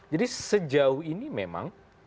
jadi sejauh ini memang